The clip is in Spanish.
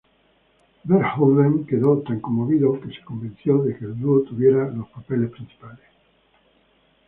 Verhoeven quedó tan conmovido que se convenció que el dúo tuviera los papeles principales.